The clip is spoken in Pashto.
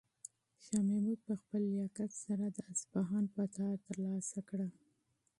شاه محمود په خپل لیاقت سره د اصفهان فتحه ترلاسه کړه.